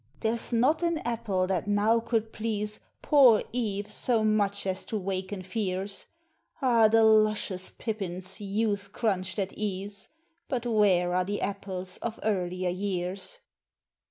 There's not an apple that now could please Poor EVE so much as to waken fears. Ah, the luscious Pippins youth crunched at ease! But where are the apples of earlier years?